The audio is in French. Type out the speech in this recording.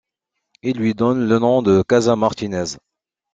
Il lui donne le nom de Casa Martinez.